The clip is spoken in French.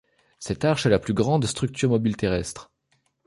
Cette arche est la plus grande structure mobile terrestre.